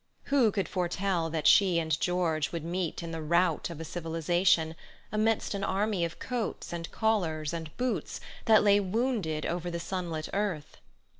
Who could foretell that she and George would meet in the rout of a civilization, amidst an army of coats and collars and boots that lay wounded over the sunlit earth?